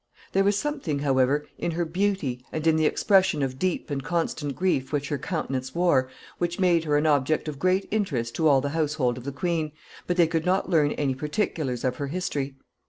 There was something, however, in her beauty, and in the expression of deep and constant grief which her countenance wore, which made her an object of great interest to all the household of the queen, but they could not learn any particulars of her history.